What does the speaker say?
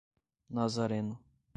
Nazareno